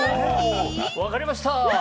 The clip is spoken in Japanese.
わかりました！